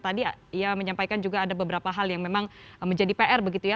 tadi ia menyampaikan juga ada beberapa hal yang memang menjadi pr begitu ya